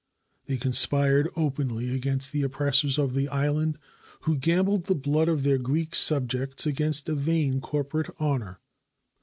They conspired openly against the oppressors of the island, who gambled the blood of their Greek subjects against a vain corporate honor.